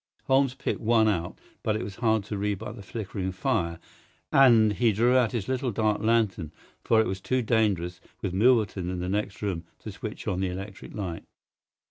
Holmes picked one out, but it was hard to read by the flickering fire, and he drew out his little dark lantern, for it was too dangerous, with Milverton in the next room, to switch on the electric light.